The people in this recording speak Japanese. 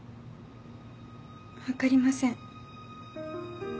分かりません